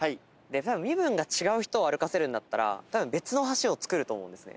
たぶん身分が違う人を歩かせるんだったら別の橋を造ると思うんですね。